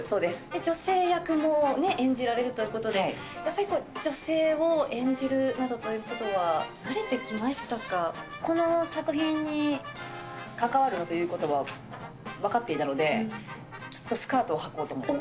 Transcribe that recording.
女性役も演じられるということで、やっぱり女性を演じるなどというこの作品に関わるということは分かっていたので、ちょっとスカートをはこうと思って。